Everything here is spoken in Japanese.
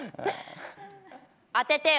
当ててよ。